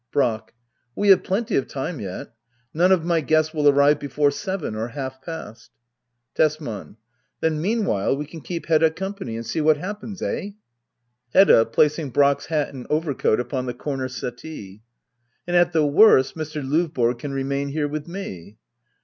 Brack. We have plenty of time yet. None of my guests will arrive before seven or half past. Tesman. Then meanwhile we can keep Hedda company, and see what happens. £h ? Hedda. \Placmg Brack's hat and overcoat upon the comer settee,] And at the worst Mr. Ldvborg can remain here with me.